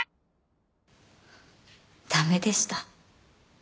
駄目でした。